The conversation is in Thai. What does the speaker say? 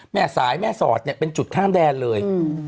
แม่สายแม่สอดเนี่ยเป็นจุดข้ามแดนเลย